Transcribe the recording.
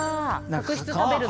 角質食べる魚。